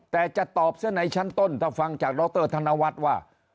แต่จะตอบเสียในชั้นต้นถ้าฟังจากดรธนวัฒน์ว่า